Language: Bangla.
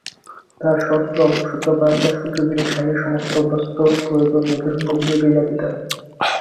তাই সহস্র অভাব সত্ত্বেও প্রাণপণ শক্তিতে তিনি স্বামীর সমস্ত অভ্যস্ত প্রয়োজন যথাসম্ভব জোগাইয়া দিতেন।